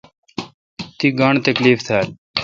تی گاݨڈ تکیف تھال۔